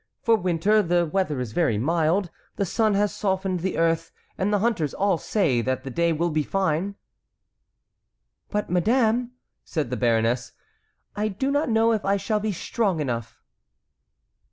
For winter, the weather is very mild. The sun has softened the earth, and the hunters all say that the day will be fine." "But, madame," said the baroness, "I do not know if I shall be strong enough."